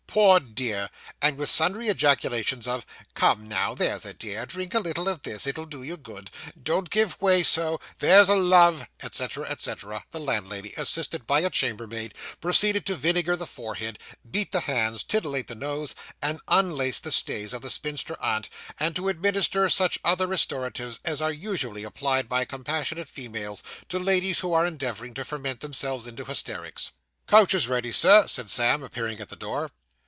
'Poor dear.' And with sundry ejaculations of 'Come now, there's a dear drink a little of this it'll do you good don't give way so there's a love,' etc. etc., the landlady, assisted by a chambermaid, proceeded to vinegar the forehead, beat the hands, titillate the nose, and unlace the stays of the spinster aunt, and to administer such other restoratives as are usually applied by compassionate females to ladies who are endeavouring to ferment themselves into hysterics. 'Coach is ready, Sir,' said Sam, appearing at the door.